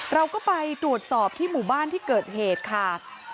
เราก็ไปตรวจสอบที่หมู่บ้านที่เกิดเหตุค่ะ